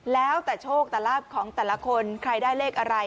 แล้วแต่โชคแต่ลาบของแต่ละคนใครได้เลขอะไร